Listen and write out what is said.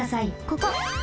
ここ！